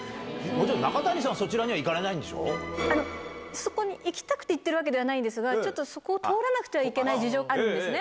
中谷さんはそちらには行かれあの、そこに行きたくて行ってるわけじゃないんですが、ちょっとそこを通らなくてはいけない事情があるんですね。